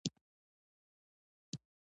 استخاره کول ښه دي